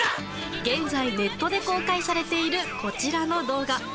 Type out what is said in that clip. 現在、ネットで公開されているこちらの動画。